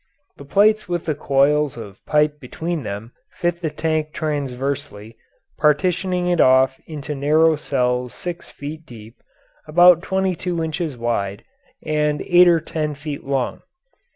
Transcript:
The plates with the coils of pipe between them fit in the tank transversely, partitioning it off into narrow cells six feet deep, about twenty two inches wide, and eight or ten feet long.